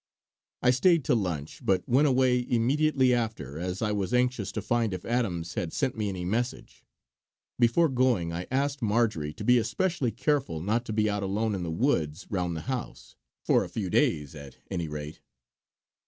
I stayed to lunch, but went away immediately after as I was anxious to find if Adams had sent me any message. Before going, I asked Marjory to be especially careful not to be out alone in the woods round the house, for a few days at any rate.